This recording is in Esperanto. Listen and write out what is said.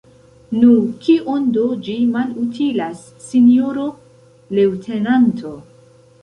Nu, kion do ĝi malutilas, sinjoro leŭtenanto?